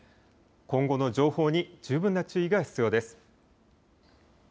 今後の情報に十分な注意が必要です。